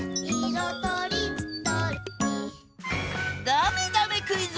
ダメダメクイズ